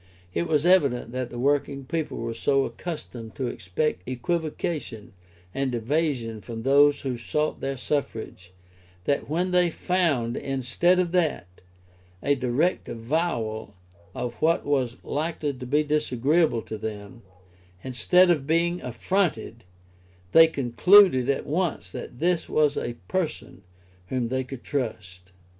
It was evident that the working people were so accustomed to expect equivocation and evasion from those who sought their suffrages, that when they found, instead of that, a direct avowal of what was likely to be disagreeable to them, instead of being affronted, they concluded at once that this was a person whom they could trust.